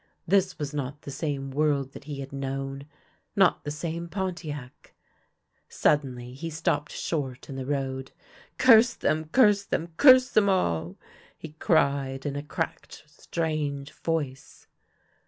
This was not the same world that he had known, not the same Pontiac. Suddenly he stopped short in the road. " Curse them ! Curse them ! Curse them all !" he cried in a cracked, strange voice.